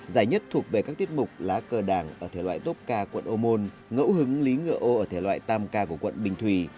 giải nhất thuộc về các tiết mục lá cờ đảng ở thể loại tốt ca quận ô môn ngẫu hứng lý ngựa ô ở thể loại tam ca của quận bình thủy